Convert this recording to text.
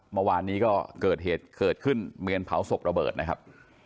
เมื่อวานนี้ก็เกิดเหตุเกิดขึ้นเมนเผาศพระเบิดนะครับ